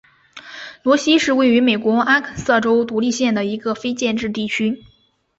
罗西是位于美国阿肯色州独立县的一个非建制地区。